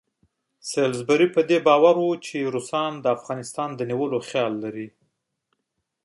سالیزبوري په دې عقیده وو چې روسان د افغانستان نیولو خیال لري.